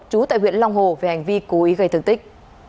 trú tại huyện long hồ về hành vi cố ý gây thương tích